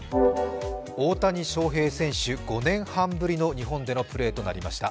大谷翔平選手、５年半ぶりの日本でのプレーとなりました。